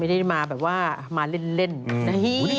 ไม่ได้มาแบบว่ามาเล่นนะฮะ